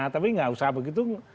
tapi nggak usah begitu